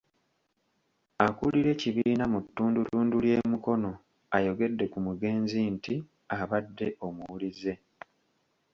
Akulira ekibiina mu ttundutundu ly'e Mukono ayogedde ku mugenzi nti abadde omuwulize.